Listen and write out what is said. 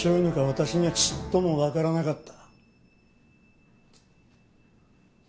私にはちっともわからなかった。